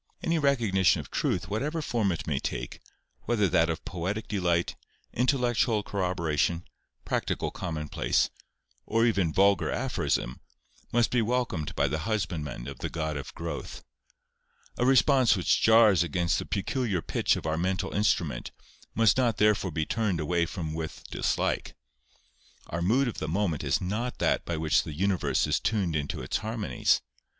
Any recognition of truth, whatever form it may take, whether that of poetic delight, intellectual corroboration, practical commonplace; or even vulgar aphorism, must be welcomed by the husbandmen of the God of growth. A response which jars against the peculiar pitch of our mental instrument, must not therefore be turned away from with dislike. Our mood of the moment is not that by which the universe is tuned into its harmonies.